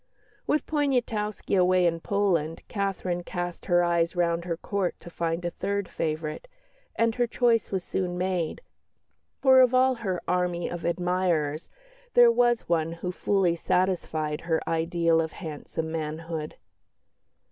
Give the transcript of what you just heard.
With Poniatowski away in Poland, Catherine cast her eyes round her Court to find a third favourite, and her choice was soon made, for of all her army of admirers there was one who fully satisfied her ideal of handsome manhood.